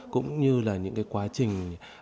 cũng như là những quá trình